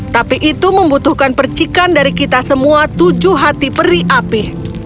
tapi itu membutuhkan percikan dari kita semua tujuh hati peri api